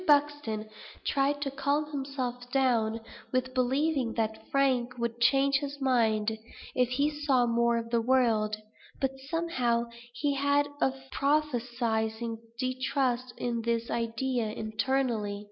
Buxton tried to calm himself down with believing that Frank would change his mind, if he saw more of the world; but, somehow, he had a prophesying distrust of this idea internally.